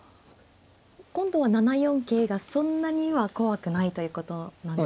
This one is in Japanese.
今度は７四桂がそんなには怖くないということなんですか。